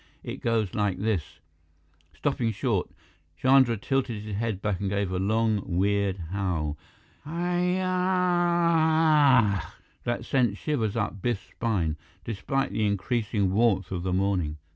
It goes like this " Stopping short, Chandra tilted his head back and gave a long, weird howl, "Hyyyyaaaaahhhh!" that sent shivers up Biff's spine, despite the increasing warmth of the morning.